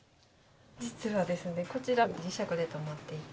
実はですねこちら磁石で留まっていて。